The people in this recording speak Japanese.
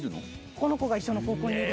この子が一緒の高校にいる。